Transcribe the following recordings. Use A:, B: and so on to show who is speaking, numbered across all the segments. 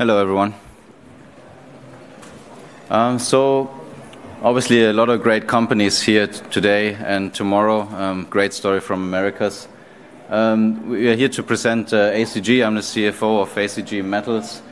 A: Hello, everyone. Obviously, a lot of great companies here today and tomorrow. Great story from Americas. We are here to present ACG. I'm the CFO of ACG Metals.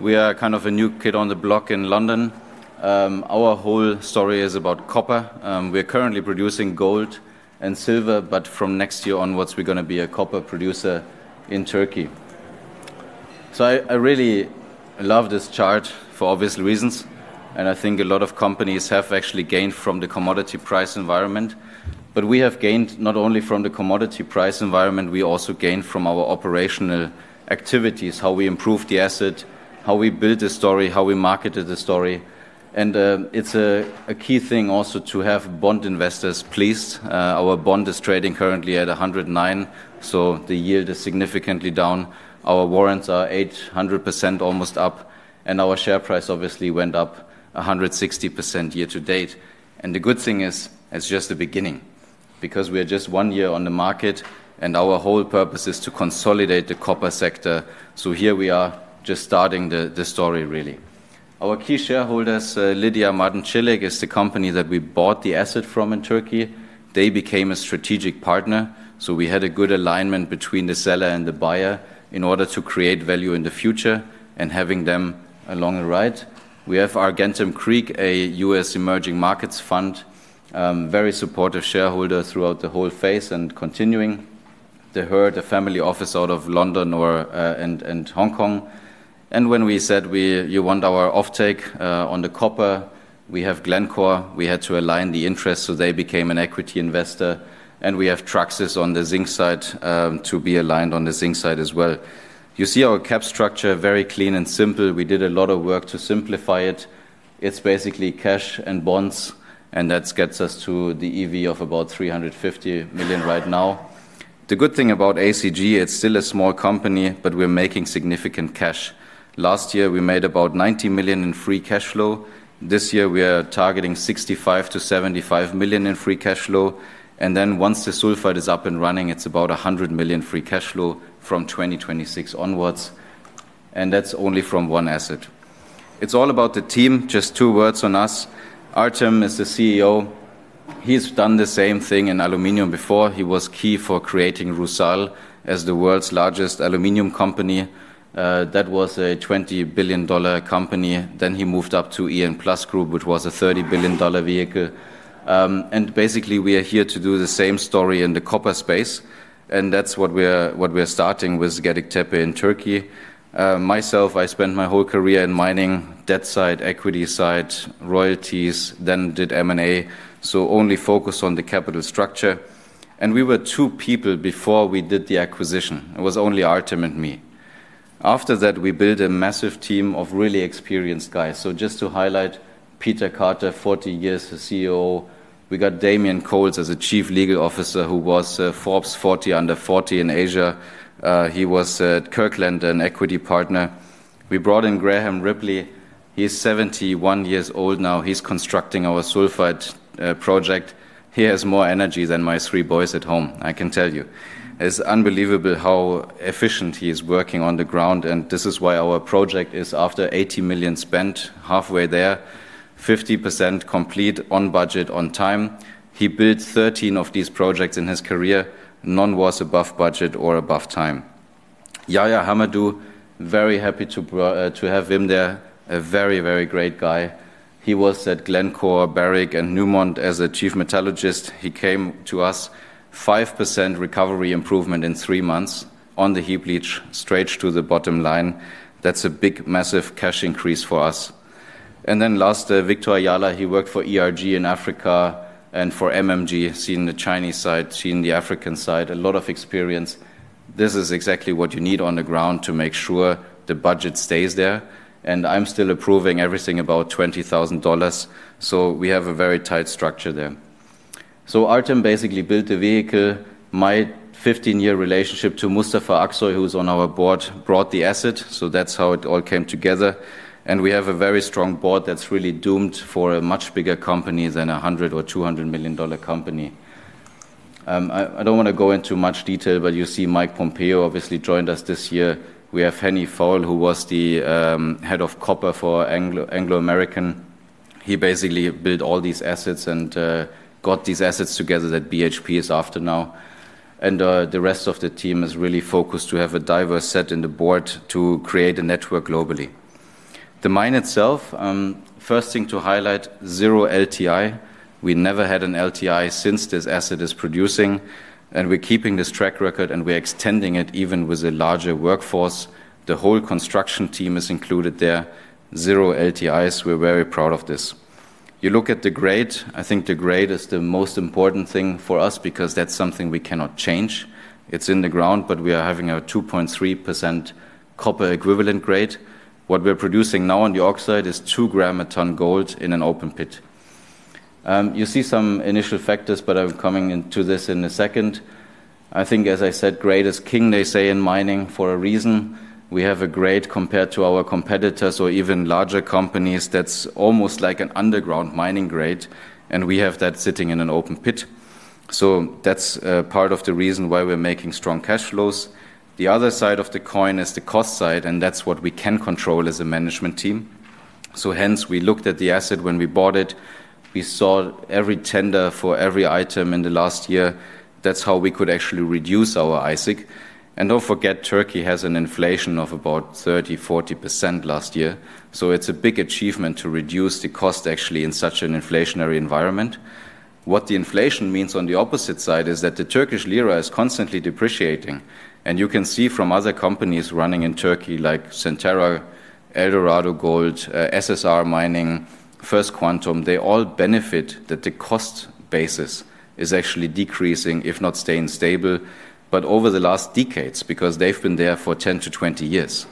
A: We are kind of a new kid on the block in London. Our whole story is about copper. We are currently producing gold and silver, but from next year onwards, we're gonna be a copper producer in Turkey. I really love this chart for obvious reasons, and I think a lot of companies have actually gained from the commodity price environment. We have gained not only from the commodity price environment, we also gained from our operational activities, how we improved the asset, how we built the story, how we marketed the story. It's a key thing also to have bond investors pleased. Our bond is trading currently at 109, so the yield is significantly down. Our warrants are 800% almost up, and our share price obviously went up 160% year-to-date. The good thing is, it's just the beginning because we are just one year on the market, and our whole purpose is to consolidate the copper sector. Here we are, just starting the story, really. Our key shareholders, Lidya Madencilik, is the company that we bought the asset from in Turkey. They became a strategic partner, so we had a good alignment between the seller and the buyer in order to create value in the future and having them along the ride. We have Argentem Creek, a U.S. emerging markets fund, very supportive shareholder throughout the whole phase and continuing. The Herd, a family office out of London and Hong Kong. When we said we want our offtake on the copper, we have Glencore, we had to align the interest, so they became an equity investor. We have Traxys on the zinc side, to be aligned on the zinc side as well. You see our cap structure very clean and simple. We did a lot of work to simplify it. It is basically cash and bonds, and that gets us to the EV of about $350 million right now. The good thing about ACG, it is still a small company, but we are making significant cash. Last year, we made about $90 million in free cash flow, this year, we are targeting $65 million-$75 million in free cash flow. Once the sulfide is up and running, it is about $100 million free cash flow from 2026 onwards. That is only from one asset. It is all about the team. Just two words on us. Artem is the CEO. He's done the same thing in aluminum before. He was key for creating RUSAL as the world's largest aluminum company. That was a $20 billion company. He moved up to EN+ Group, which was a $30 billion vehicle. Basically, we are here to do the same story in the copper space. That is what we are starting with, Gedik Tepe in Turkey. Myself, I spent my whole career in mining, debt side, equity side, royalties, then did M&A, so only focus on the capital structure. We were two people before we did the acquisition, it was only Artem and me. After that, we built a massive team of really experienced guys. Just to highlight, Peter Carter, 40 years, the CEO. We got Damien Coles as Chief Legal Officer, who was Forbes 40 Under 40 in Asia.He was, Kirkland, an equity partner. We brought in Graham Ripley. He's 71 years old now. He's constructing our sulfide project. He has more energy than my three boys at home, I can tell you. It's unbelievable how efficient he is working on the ground. This is why our project is, after $80 million spent, halfway there, 50% complete, on budget, on time. He built 13 of these projects in his career, none was above budget or above time. Yahya Hamadou, very happy to have him there. A very, very great guy. He was at Glencore, Barrick, and Newmont as a chief metallurgist. He came to us, 5% recovery improvement in three months on the heap leach, straight to the bottom line. That's a big, massive cash increase for us. Then last, Victor Ayala. He worked for ERG in Africa and for MMG, seen the Chinese side, seen the African side, a lot of experience. This is exactly what you need on the ground to make sure the budget stays there. I'm still approving everything above $20,000. We have a very tight structure there. Artem basically built the vehicle. My 15-year relationship to Mustafa Aksoy, who's on our board, brought the asset, so that's how it all came together. We have a very strong board that's really doomed for a much bigger company than a $100 million or $200 million company. I don't wanna go into much detail, but you see Mike Pompea obviously joined us this year. We have Henny Foul, who was the head of copper for Anglo American. He basically built all these assets and got these assets together that BHP is after now. The rest of the team is really focused to have a diverse set in the board to create a network globally. The mine itself, first thing to highlight, zero LTI. We never had an LTI since this asset is producing. We are keeping this track record, and we are extending it even with a larger workforce. The whole construction team is included there. Zero LTIs. We are very proud of this. You look at the grade. I think the grade is the most important thing for us because that is something we cannot change. It is in the ground, but we are having a 2.3% copper equivalent grade. What we are producing now on the oxide is 2 g, a ton gold in an open pit. You see some initial factors, but I am coming into this in a second. I think, as I said, grade is king, they say, in mining for a reason. We have a grade compared to our competitors or even larger companies. That's almost like an underground mining grade, and we have that sitting in an open pit. That's part of the reason why we're making strong cash flows. The other side of the coin is the cost side, and that's what we can control as a management team. Hence, we looked at the asset when we bought it. We saw every tender for every item in the last year. That's how we could actually reduce our AISC. Don't forget, Turkey has an inflation of about 30%, 40% last year. It's a big achievement to reduce the cost, actually, in such an inflationary environment. What the inflation means on the opposite side is that the Turkish lira is constantly depreciating. You can see from other companies running in Turkey, like Santara, Eldorado Gold, SSR Mining, First Quantum, they all benefit that the cost basis is actually decreasing, if not staying stable, but over the last decades because they have been there for 10-20 years.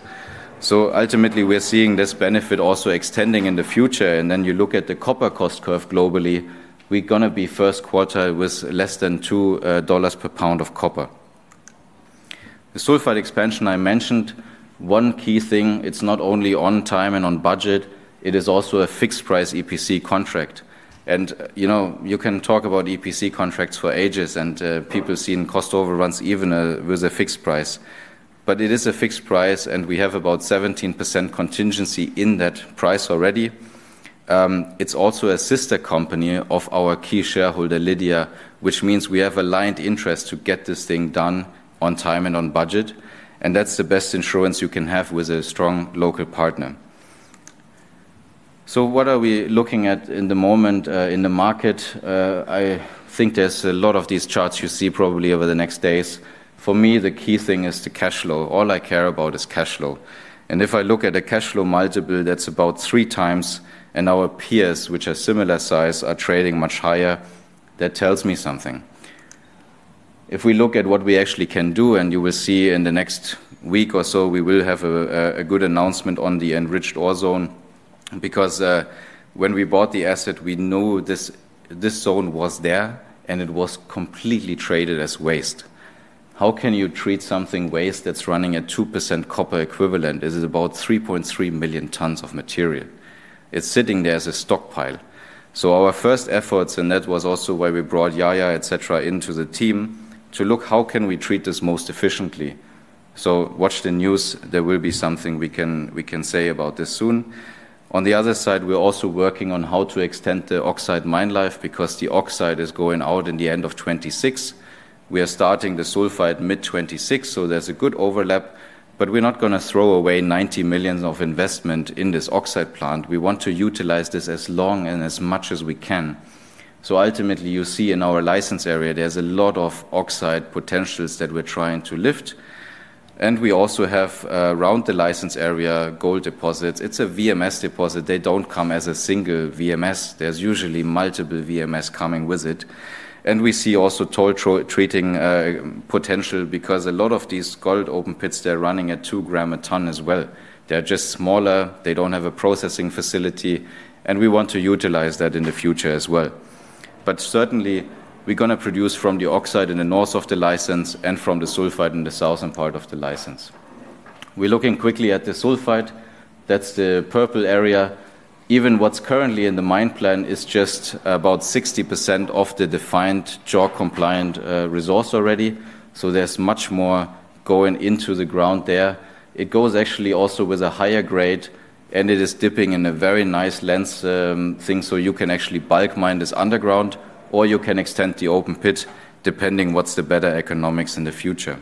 A: Ultimately, we are seeing this benefit also extending in the future. You look at the copper cost curve globally, we are gonna be first quarter with less than $2 per pound of copper. The sulfide expansion I mentioned, one key thing, it is not only on time and on budget, it is also a fixed price EPC contract. You know, you can talk about EPC contracts for ages, and people seeing cost overruns even with a fixed price. It is a fixed price, and we have about 17% contingency in that price already. It's also a sister company of our key shareholder, Lidya, which means we have aligned interest to get this thing done on time and on budget. That is the best insurance you can have with a strong local partner. What are we looking at in the moment, in the market? I think there are a lot of these charts you see probably over the next days. For me, the key thing is the cash flow. All I care about is cash flow. If I look at a cash flow multiple, that's about 3x, and our peers, which are similar size, are trading much higher, that tells me something. If we look at what we actually can do, and you will see in the next week or so, we will have a good announcement on the enriched ore zone because, when we bought the asset, we knew this zone was there, and it was completely treated as waste. How can you treat something waste that's running at 2% copper equivalent? This is about 3.3 million tons of material. It's sitting there as a stockpile. Our first efforts, and that was also why we brought Yahya, etc., into the team to look how can we treat this most efficiently. Watch the news. There will be something we can say about this soon. On the other side, we're also working on how to extend the oxide mine life because the oxide is going out in the end of 2026. We are starting the sulfide mid-2026, so there's a good overlap. We are not gonna throw away $90 million of investment in this oxide plant. We want to utilize this as long and as much as we can. Ultimately, you see in our license area, there's a lot of oxide potentials that we're trying to lift. We also have, around the license area, gold deposits. It's a VMS deposit. They do not come as a single VMS. There are usually multiple VMS coming with it. We see also toll treating potential because a lot of these gold open pits, they are running at 2 g a ton as well. They are just smaller. They do not have a processing facility. We want to utilize that in the future as well. Certainly, we're gonna produce from the oxide in the north of the license and from the sulfide in the southern part of the license. We're looking quickly at the sulfide, that's the purple area. Even what's currently in the mine plan is just about 60% of the defined JORC-compliant resource already. So there's much more going into the ground there. It goes actually also with a higher grade, and it is dipping in a very nice lens thing. You can actually bulk mine this underground, or you can extend the open pit depending what's the better economics in the future.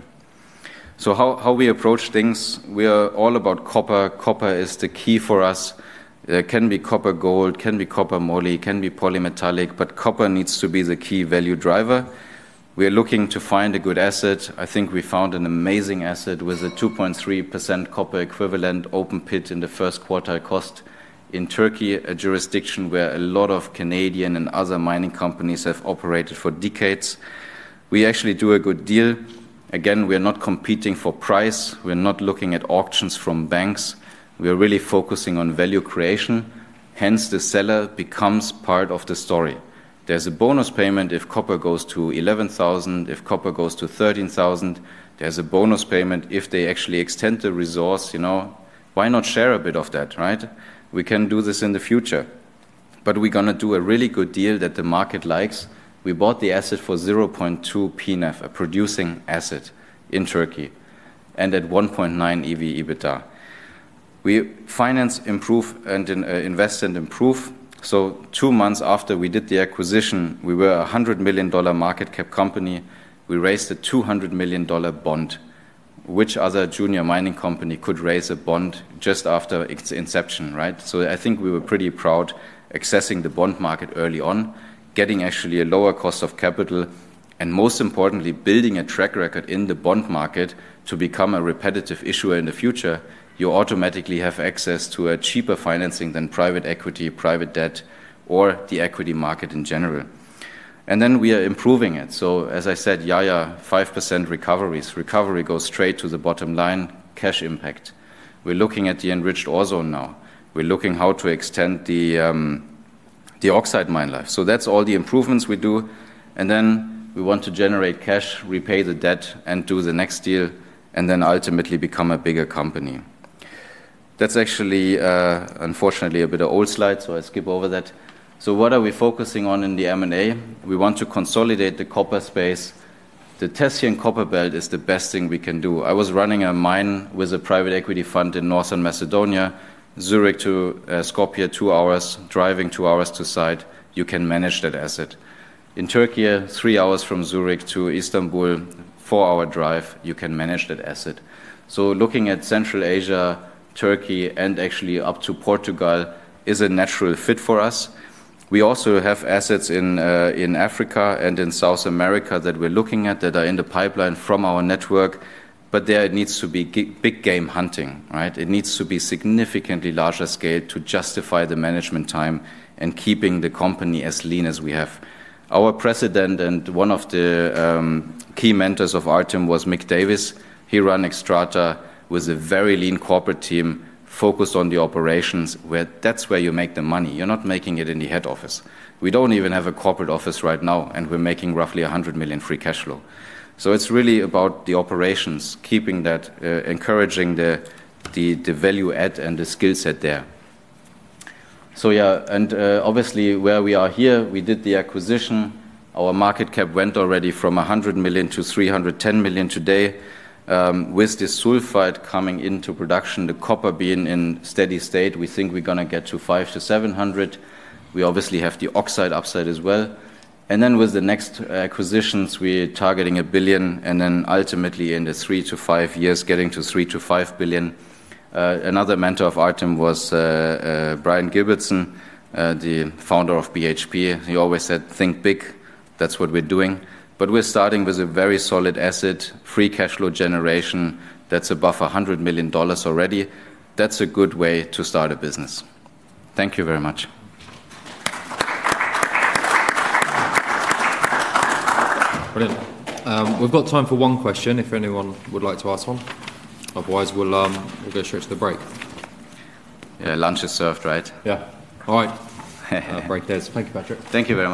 A: How we approach things, we are all about copper. Copper is the key for us. Can be copper gold, can be copper moly, can be polymetallic, but copper needs to be the key value driver. We are looking to find a good asset. I think we found an amazing asset with a 2.3% copper equivalent open pit in the first quarter cost in Turkey, a jurisdiction where a lot of Canadian and other mining companies have operated for decades. We actually do a good deal. Again, we are not competing for price. We're not looking at auctions from banks. We are really focusing on value creation, hence, the seller becomes part of the story. There's a bonus payment if copper goes to $11,000, if copper goes to $13,000. There's a bonus payment if they actually extend the resource. You know, why not share a bit of that, right? We can do this in the future but we're gonna do a really good deal that the market likes. We bought the asset for 0.2 P/NF, a producing asset in Turkey, and at 1.9 EV/EBITDA. We finance, improve, and, invest and improve. Two months after we did the acquisition, we were a $100 million market cap company. We raised a $200 million bond. Which other junior mining company could raise a bond just after its inception, right? I think we were pretty proud accessing the bond market early on, getting actually a lower cost of capital, and most importantly, building a track record in the bond market to become a repetitive issuer in the future. You automatically have access to a cheaper financing than private equity, private debt, or the equity market in general. We are improving it. As I said, Yahya, 5% recoveries. Recovery goes straight to the bottom line, cash impact. We're looking at the enriched ore zone now. We're looking how to extend the oxide mine life. That's all the improvements we do. Then we want to generate cash, repay the debt, and do the next deal, and ultimately become a bigger company. That's actually, unfortunately, a bit of an old slide, so I skip over that. What are we focusing on in the M&A? We want to consolidate the copper space. The Tethyan Copper Belt is the best thing we can do. I was running a mine with a private equity fund in North Macedonia, Zurich to Skopje, two hours, driving two hours to site. You can manage that asset. In Turkey, three hours from Zurich to Istanbul, four-hour drive. You can manage that asset. Looking at Central Asia, Turkey, and actually up to Portugal is a natural fit for us. We also have assets in Africa and in South America that we're looking at that are in the pipeline from our network. It needs to be big game hunting, right? It needs to be significantly larger scale to justify the management time and keeping the company as lean as we have. Our President and one of the key mentors of Artem was Mick Davis. He ran Xstrata with a very lean corporate team focused on the operations where that's where you make the money. You're not making it in the head office. We don't even have a corporate office right now, and we're making roughly $100 million free cash flow. It is really about the operations, keeping that, encouraging the value add and the skill set there. Yeah. Obviously, where we are here, we did the acquisition. Our market cap went already from $100 million to $310 million today. With the sulfide coming into production, the copper being in steady state, we think we're gonna get to $500 million-$700 million. We obviously have the oxide upside as well. And then with the next acquisitions, we're targeting $1 billion, and then ultimately in the three to five years, getting to $3 billion-$5 billion. Another mentor of Artem was Brian Gilbertson, the founder of BHP. He always said, "Think big." That's what we're doing. But we're starting with a very solid asset, free cash flow generation that's above $100 million already. That's a good way to start a business. Thank you very much. Brilliant. We've got time for one question if anyone would like to ask one. Otherwise, we'll go straight to the break. Yeah. Lunch is served, right? Yeah. All right. Break days. Thank you, Patrick. Thank you very much.